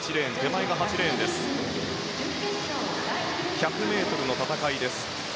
１００ｍの戦いです。